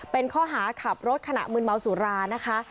เป็นข้อหาขับรถขณะมืนเมาสุรานะคะ